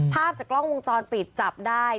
ภาพจากกล้องวงจรปิดจับได้